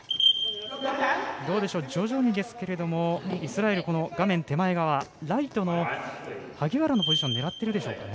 徐々にですけれども、イスラエル画面左側ライトの萩原のポジションを狙っているでしょうか。